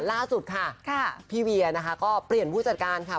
ล่าสุดค่ะพี่เวียนะคะก็เปลี่ยนผู้จัดการค่ะ